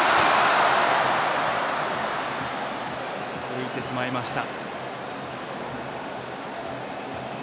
浮いてしまいました。